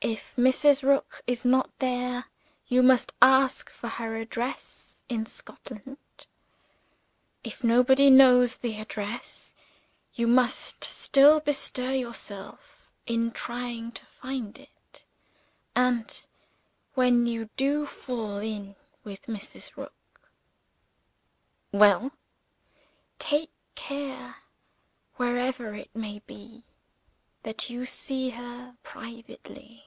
If Mrs. Rook is not there, you must ask for her address in Scotland. If nobody knows the address, you must still bestir yourself in trying to find it. And, when you do fall in with Mrs. Rook " "Well?" "Take care, wherever it may be, that you see her privately."